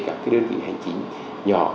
các cái đơn vị hành chính nhỏ